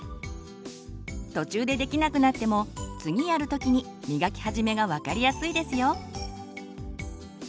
途中でできなくなっても次やる時にみがき始めが分かりやすいですよ。